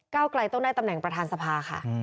เก้าไกลต้องได้ตำแหน่งประธานสภาค่ะ